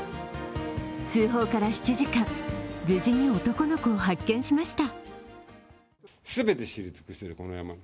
通報から７時間、無事に男の子を発見しました。